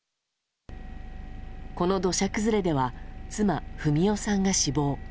この土砂崩れでは妻・文代さんが死亡。